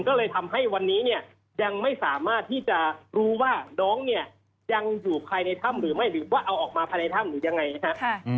ก็เลยทำให้วันนี้เนี่ยยังไม่สามารถที่จะรู้ว่าน้องเนี่ยยังอยู่ภายในถ้ำหรือไม่หรือว่าเอาออกมาภายในถ้ำหรือยังไงนะครับ